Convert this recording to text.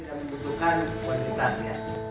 tidak membutuhkan kualitasnya